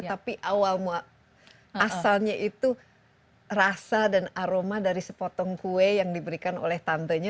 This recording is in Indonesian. tapi awal asalnya itu rasa dan aroma dari sepotong kue yang diberikan oleh tantenya